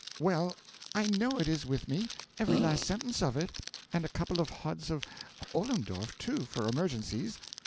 Well, I know it is with me every last sentence of it; and a couple of hods of Ollendorff, too, for emergencies.